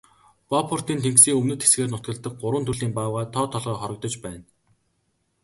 Бофортын тэнгисийн өмнөд хэсгээр нутагладаг гурван төрлийн баавгайн тоо толгой хорогдож байна.